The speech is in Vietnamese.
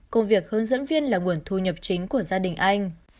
công việc hướng dẫn viên là nguồn thu nhập chính của gia đình anh